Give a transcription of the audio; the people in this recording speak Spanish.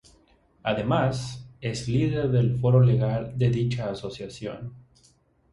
Además, es líder del Foro Legal de dicha asociación.